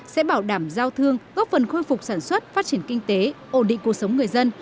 sẽ bảo đảm giao thương góp phần khôi phục sản xuất phát triển kinh tế ổn định cuộc sống người dân